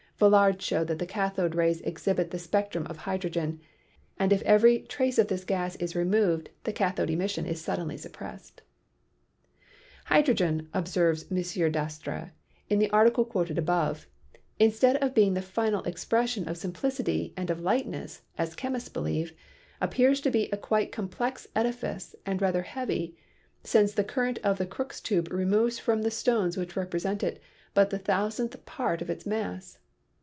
(Villard showed that the cathode rays exhibit the spectrum of hydrogen, and if every trace of this gas is removed the cathode emission is suddenly suppressed.) "Hydrogen," observes M. Dastre in the article quoted above, "instead of being the final expression of simplicity and of lightness, as chemists believe, appears to be a quite complex edifice and rather heavy, since the current of the Crookes tube removes from the stones which represent it but the thousandth part of its mass.